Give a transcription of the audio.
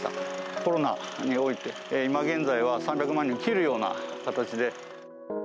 コロナにおいて今現在は３００万人を切るような形で。